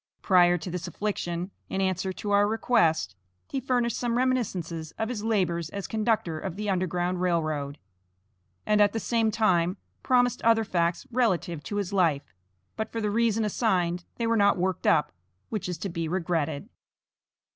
Prior to this affliction, in answer to our request, he furnished some reminiscences of his labors as conductor of the Underground Rail Road, and at the same time, promised other facts relative to his life, but for the reason assigned, they were not worked up, which is to be regretted.